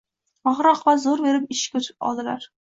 Oxir-oqibat zo‘r berib ichishga o‘tib oldilar